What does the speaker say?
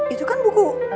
itu kan buku